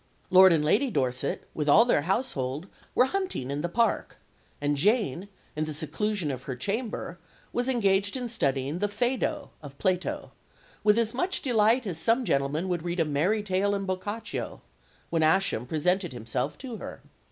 Lord and Lady Dorset, with all their household, were hunting in the park, and Jane, in the seclusion of her chamber, was engaged in studying the Phaedo of Plato, "with as much delight as some gentlemen would read a merry tale in Boccaccio," when Ascham presented himself to her.